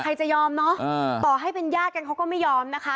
ใครจะยอมเนอะต่อให้เป็นญาติกันเขาก็ไม่ยอมนะคะ